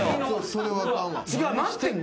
それはあかんわ。